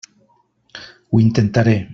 Ho intentaré.